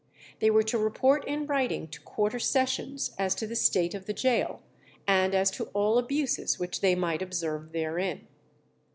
They were to report in writing to quarter sessions as to the state of the gaol, and as to all abuses which they might observe therein.